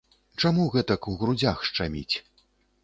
Чаму гэтак у грудзях шчаміць?